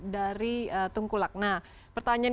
dari tungku lak nah pertanyaan